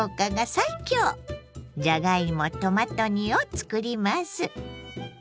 じゃがいもトマト煮をつくります。